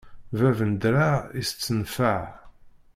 Bab n ddreɛ itett nnfeɛ.